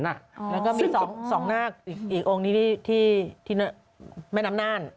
แล้วก็มี๒นาคอีกองค์นี้ที่แม่น้ำน่าน